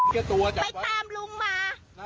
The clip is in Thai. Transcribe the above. ไปตามลุงมา